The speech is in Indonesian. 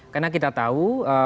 karena kita tahu